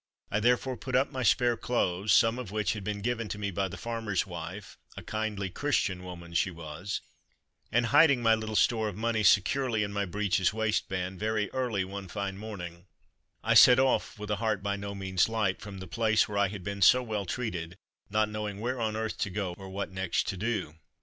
I therefore put up my spare clothes, some of which had been given to me by the farmer's wife a kindly, Christian woman she was and hiding my little store of money securely in my breeches' waistband, very early one fine morning I set off with a heart by no means light, from the place where I had been so well treated, not knowing where on earth to go or what next to do.